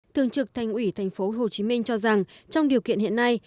thường trực thành ủy tp hcm cho rằng trong điều kiện hiện nay